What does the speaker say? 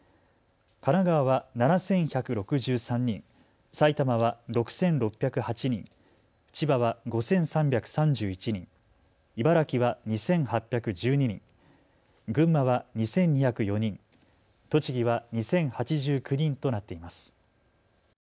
神奈川は７１６３人、埼玉は６６０８人、千葉は５３３１人、茨城は２８１２人、群馬は２２０４人、栃木は２０８９人となっています。